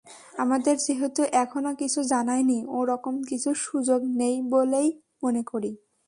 আমাদের যেহেতু এখনো কিছু জানায়নি, ওরকম কিছুর সুযোগ নেই বলেই মনে করি।